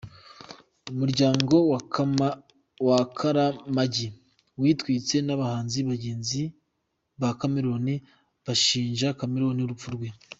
Umuryango wa Kalamagi witwitse n’abahanzi bagenzi ba Chameleon, bashinjaga Chameleon urupfu rwe.